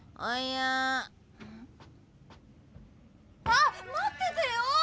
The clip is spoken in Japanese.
あっ待っててよ！